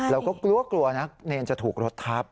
เราก็กลัวนะเนนจะถูกรถทับ